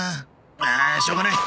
ああしょうがない。